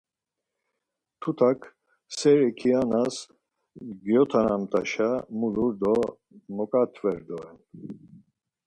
Tutak seri kianas gyotanamt̆aşa, mulur do moǩatver doren.